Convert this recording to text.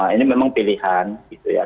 ini memang pilihan gitu ya